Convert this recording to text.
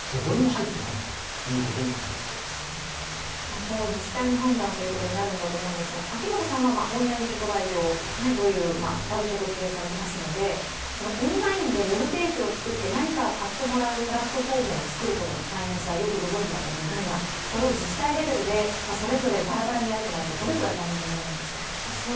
今後、自治体の判断ということになるんだと思うんですが、秋元さんはオンライン直売所という食べチョクを経営されていますのでオンラインでウェブページを作って何かを買ってもらうプラットフォームを作る大変さ、よくご存じだと思うんですが、これを自治体レベルでそれぞればらばらにやるというのはどれくらい大変なものなんですか。